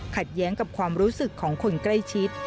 แย้งกับความรู้สึกของคนใกล้ชิด